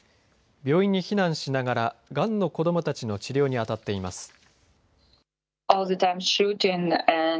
病院に避難しながらがんの子どもたちの治療にあたっています。